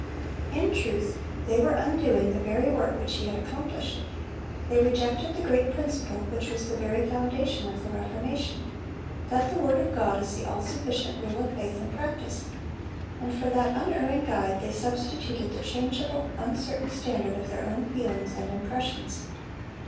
In truth, they were undoing the very work which he had accomplished. They rejected the great principle which was the very foundation of the Reformation,—that the word of God is the all sufficient rule of faith and practice; and for that unerring guide they substituted the changeable, uncertain standard of their own feelings and impressions.